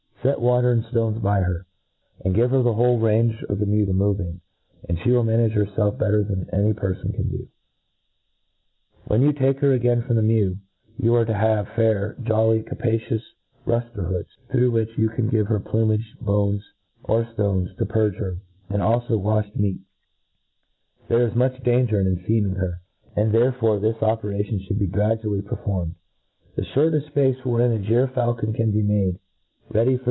Set water and ftones by her, and give her the whole range of the mew to move in } and flie wilt manage herfelf better than any perfon can do. When you take her ^ain from the mew, you are to have fiaiir, joOy, capacious rufter*hoads, through which you can give her plumage, bones, tft ffiQXies> to purge her, as aUb waflied meat. There >I4 A TREATISE OF There is much danger ' in cnfeaming her; and therefore this operation ihould be graduaUy per formed. The fhortefl; fpace wherein a gyr faulcon can be made ready fpr.